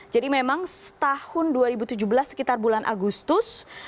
jadi memang tahun dua ribu tujuh belas sekitar bulan agustus